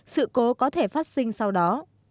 sự cố có thể phát sinh sau đó